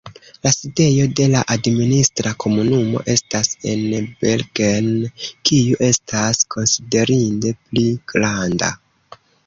La sidejo de la administra komunumo estas en Bergen, kiu estas konsiderinde pli granda.